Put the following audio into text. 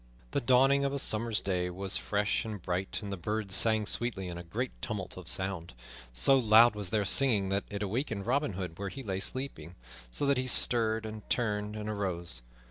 The dawning of a summer's day was fresh and bright, and the birds sang sweetly in a great tumult of sound. So loud was their singing that it awakened Robin Hood where he lay sleeping, so that he stirred, and turned, and arose.